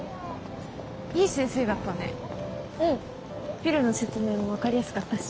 ピルの説明も分かりやすかったし。